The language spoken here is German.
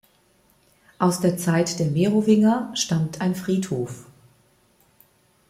Aus der Zeit der Merowinger stammt ein Friedhof.